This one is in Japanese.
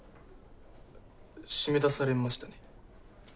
締め出されましたね。